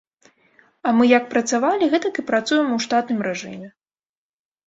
А мы як працавалі, гэтак і працуем у штатным рэжыме.